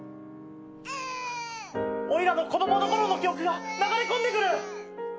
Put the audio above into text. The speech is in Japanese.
おいらの子供の頃の記憶が流れ込んでくる。